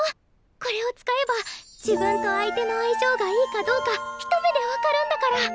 これを使えば自分と相手のあいしょうがいいかどうか一目で分かるんだから。